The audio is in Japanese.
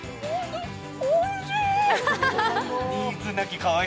おいしーい！